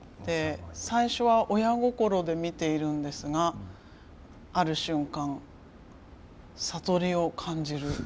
最初は親心で見ているんですがある瞬間悟りを感じる。